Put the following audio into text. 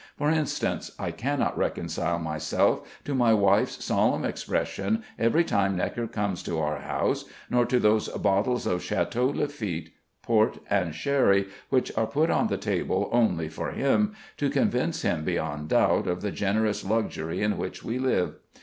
For instance, I cannot reconcile myself to my wife's solemn expression every time Gnekker comes to our house, nor to those bottles of Château Lafitte, port, and sherry which are put on the table only for him, to convince him beyond doubt of the generous luxury in which we live.